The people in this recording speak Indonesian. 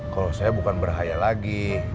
kalau saya bukan berbahaya lagi